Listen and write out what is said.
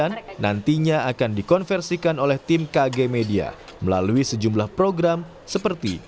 yang nantinya akan dikonversikan oleh tim kg media melalui sejumlah program seperti